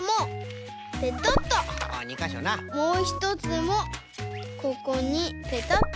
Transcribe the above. もうひとつもここにペタッと。